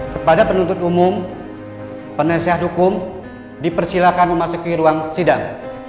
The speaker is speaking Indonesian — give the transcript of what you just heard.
kepada penuntut umum penasihat hukum dipersilakan memasuki ruang sidang